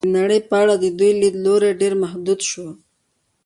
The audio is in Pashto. د نړۍ په اړه د دوی لید لوری ډېر محدود شو.